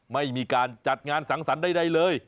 ไม่มีการจัดงานสังสรรค์ใดเลย